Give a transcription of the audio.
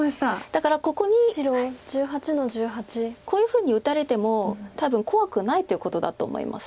だからここにこういうふうに打たれても多分怖くないってことだと思います。